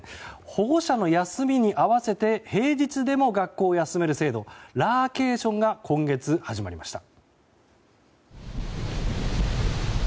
保護者の休みに合わせて平日でも学校を休める制度ラーケーションが今月、始まりました。